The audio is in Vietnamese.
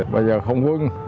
bây giờ không quân